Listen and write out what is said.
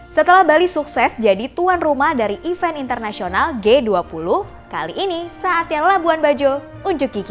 setelah bali sukses jadi tuan rumah dari event internasional g dua puluh kali ini saatnya labuan bajo unjuk gigi